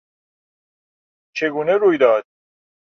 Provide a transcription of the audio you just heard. چگونه روی داد؟